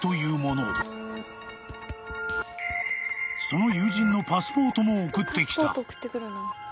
［その友人のパスポートも送ってきた］